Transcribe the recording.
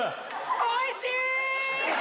おいしー！